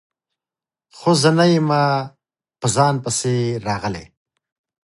خو زه نه یمه په ځان پسې راغلی